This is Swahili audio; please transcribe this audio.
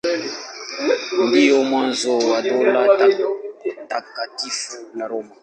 Ndio mwanzo wa Dola Takatifu la Roma.